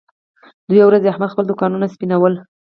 دوه ورځې احمد خپل دوکانونه سپینول.